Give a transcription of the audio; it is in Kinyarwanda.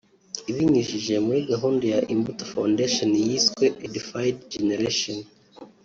ibinyujije muri gahunda ya Imbuto Foundation yiswe ‘Edified Generation’